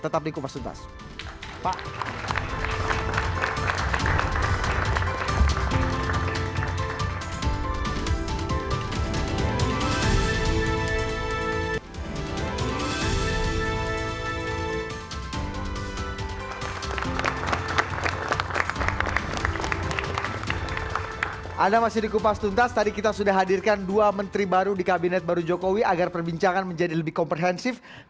tetap di kupas juntas